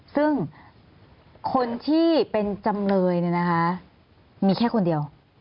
ซึ่งคนที่เป็นจำเลยเนี่ยนะคะมีแค่คนเดียว